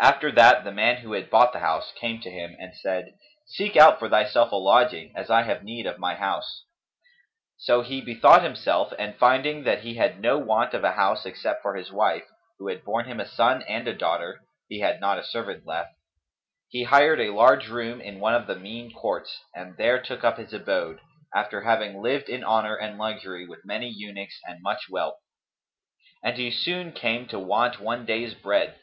After that, the man who had bought the house came to him and said "Seek out for thyself a lodging, as I have need of my house." So he bethought himself and, finding that he had no want of a house, except for his wife, who had borne him a son and daughter (he had not a servant left), he hired a large room in one of the mean courts[FN#264] and there took up his abode, after having lived in honour and luxury, with many eunuchs and much wealth; and he soon came to want one day's bread.